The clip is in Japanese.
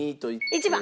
１番。